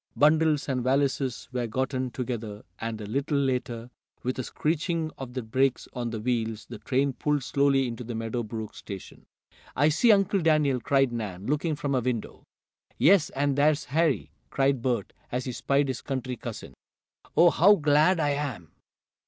Bundles and valises were gotten together, and, a little later, with a screeching of the brakes on the wheels, the train pulled slowly into the Meadow Brook station. "I see Uncle Daniel!" cried Nan, looking from a window. "Yes, and there's Harry!" cried Bert, as he spied his country cousin. "Oh, how glad I am!"